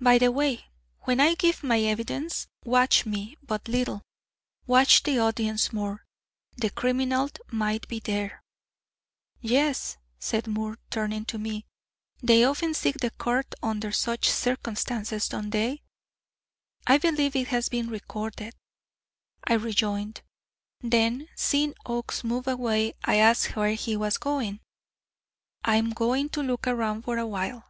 By the way, when I give my evidence, watch me but little watch the audience more. The criminal might be there!" "Yes," said Moore, turning to me; "they often seek the court under such circumstances, don't they?" "I believe it has been recorded," I rejoined. Then seeing Oakes move away, I asked where he was going. "I am going to look around for a while."